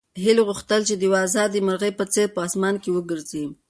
هیلې غوښتل چې د یوې ازادې مرغۍ په څېر په اسمان کې وګرځي.